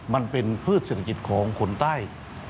มันเป็นพืชเศรษฐกิจของคนใต้